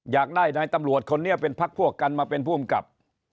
อยากได้นายตำรวจคนนี้เป็นพักพวกกันมาเป็นผู้อำกับ